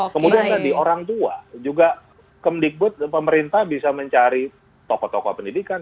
kemudian tadi orang tua juga kemdikbud dan pemerintah bisa mencari tokoh tokoh pendidikan